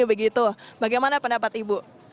begitu bagaimana pendapat ibu